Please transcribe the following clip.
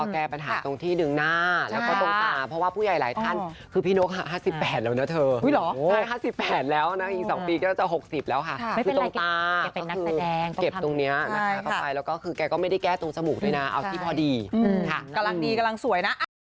คิดว่าอย่างนี้ก็โอเคเราชอบแล้วล่ะ